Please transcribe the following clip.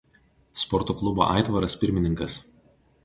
Sporto klubo „Aitvaras“ pirmininkas.